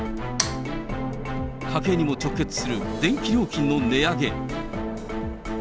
家計にも直結する電気料金の値上げ。